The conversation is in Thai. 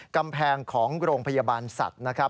กำแพงของโรงพยาบาลสัตว์นะครับ